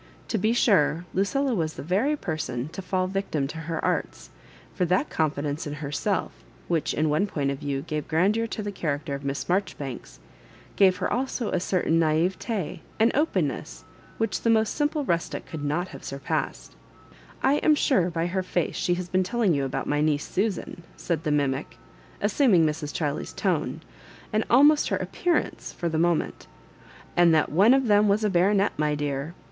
To be sure, Lucilla was the very person to fall victim to her arts ; for that confidence in herself which, in one point of view, gave grandeur to the character of Miss Digitized by VjOOQIC MISS MABJOBIBANK& 17 Marjoribaxtks, gave her also a certain naivete and openness which the most simple rustic could not have surpassed. I am sure bj her face she has been telling you about mj niece Susan," said the mimic, as suming Mrs. Chilej^s tone, and almost her ap pearance, for the moment, " and that one of them was a baronet, my dear.